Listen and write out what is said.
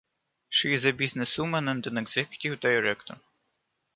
She is a businesswoman and an executive director.